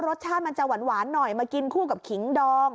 รสชาติมันจะหวานหน่อยมากินคู่กับขิงดอง